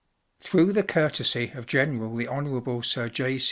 Through the courtesy of General the Hon. Sir J.